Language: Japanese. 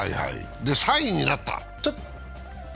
３位になった？